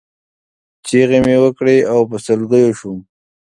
چغې مې وکړې او په سلګیو شوم.